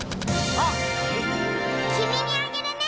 「きみにあげるね」！